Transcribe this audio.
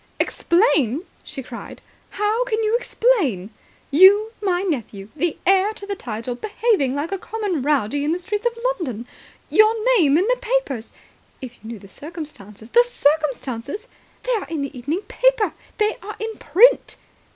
"Explain?" she cried. "How can you explain? You my nephew, the heir to the title, behaving like a common rowdy in the streets of London ... your name in the papers ..." "If you knew the circumstances." "The circumstances? They are in the evening paper. They are in print."